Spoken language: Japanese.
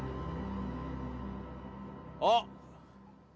あっ！